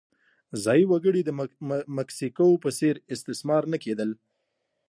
ځايي وګړي د مکسیکو په څېر استثمار نه کېدل.